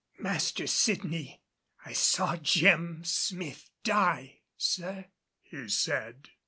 "Master Sydney, I saw Jem Smith die, sir," he said.